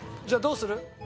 じゃあどうする？